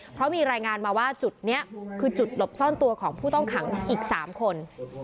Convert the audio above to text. เพราะมีรายงานมาว่าจุดนี้คือจุดหลบซ่อนตัวของผู้ต้องขังอีก๓คน